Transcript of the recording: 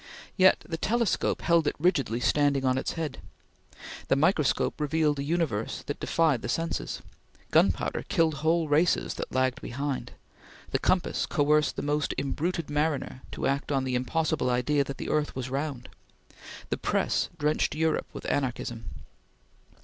Yet the telescope held it rigidly standing on its head; the microscope revealed a universe that defied the senses; gunpowder killed whole races that lagged behind; the compass coerced the most imbruted mariner to act on the impossible idea that the earth was round; the press drenched Europe with anarchism.